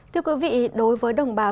thưa quý vị đối với đồng bào